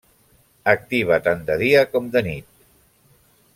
Activa tant de dia com de nit.